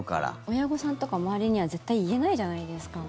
親御さんとか周りには絶対言えないじゃないですか。